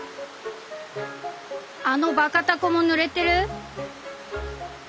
「あのバカ凧もぬれてる？」。